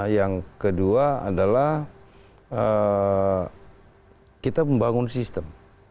yang kedua adalah kita membangun sistem